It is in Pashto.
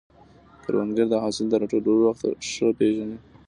کروندګر د حاصل د راټولولو وخت ښه پېژني